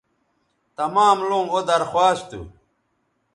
تمام لوں او درخواست تھو